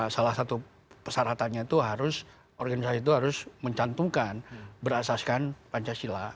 salah satu persyaratannya itu harus organisasi itu harus mencantumkan berasaskan pancasila